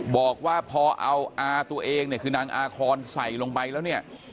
บอกว่าพอเอาอาตัวเองเนี่ยคือนางอาคอนใส่ลงไปแล้วเนี่ย